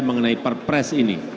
mengenai perpres ini